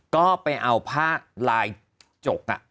ก็ไปเอาผ้าลายจก